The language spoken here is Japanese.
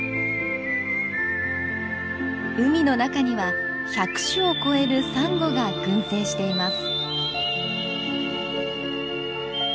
海の中には１００種を超えるサンゴが群生しています。